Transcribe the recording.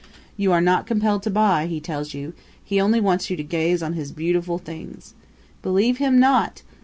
You are not compelled to buy, he tells you; he only wants you to gaze on his beautiful things. Believe him not!